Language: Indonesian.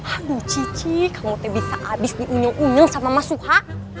aduh cici kamu te bisa abis diunyel unyel sama mas suha